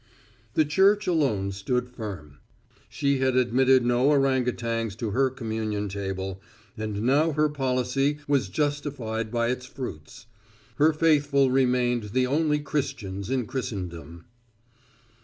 The Church alone stood firm. She had admitted no orang outangs to her communion table, and now her policy was justified by its fruits. Her faithful remained the only Christians in Christendom.